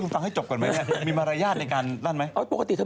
ฟังให้ชุดหมีให้คุณฟังให้จบก่อนเลย